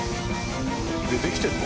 「できてるの？」